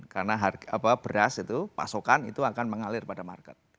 karena beras itu pasokan itu akan mengalir pada market